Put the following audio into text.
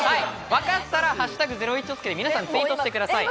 わかったら「＃ゼロイチ」をつけて皆さんツイートしてください。